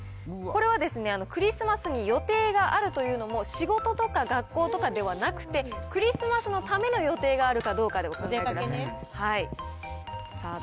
これはですね、クリスマスに予定があるというのも仕事とか学校とかではなくて、クリスマスのための予定があるかどお出かけね。